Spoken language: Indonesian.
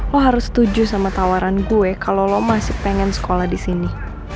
lo harus setuju sama tawaran gue kalau lo masih pengen sekolah di sini